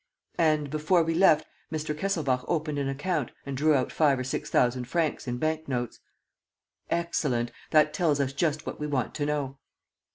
"And, before we left, Mr. Kesselbach opened an account and drew out five or six thousand francs in bank notes." "Excellent ... that tells us just what we want to know."